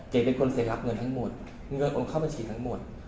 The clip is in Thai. เป็นคนเสียรับเงินทั้งหมดเงินโอนเข้าบัญชีทั้งหมด